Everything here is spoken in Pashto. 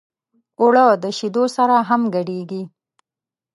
اوړه د شیدو سره هم ګډېږي